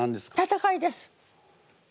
戦いです。